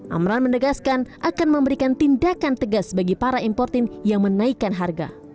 amran mendegaskan akan memberikan tindakan tegas bagi para importim yang menaikkan harga